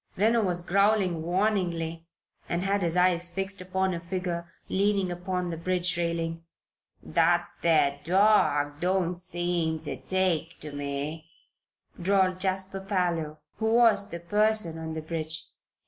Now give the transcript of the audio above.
Reno was growling warningly and had his eyes fixed upon a figure leaning upon the bridge railing. "That there dawg don't seem ter take to me," drawled Jasper Parloe, who was the person on the bridge.